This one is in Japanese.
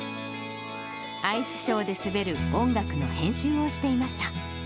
アイスショーで滑る音楽の編集をしていました。